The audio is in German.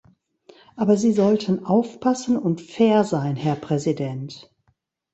Aber Sie sollten aufpassen und fair sein, Herr Präsident.